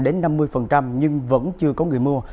đến năm mươi nhưng vẫn chưa có người mua